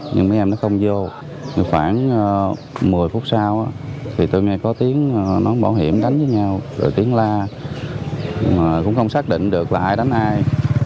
nhưng mấy em nó không vô khoảng một mươi phút sau thì tôi có tiếng nói bảo hiểm đánh với nhau rồi tiếng la mà cũng không xác định được là ai đánh ai